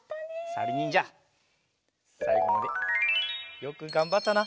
さりにんじゃさいごまでよくがんばったな！